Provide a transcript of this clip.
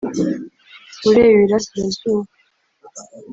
ureba i Burasirazuba